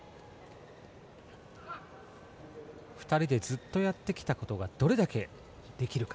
２人でずっとやってきたことがどれだけできるか。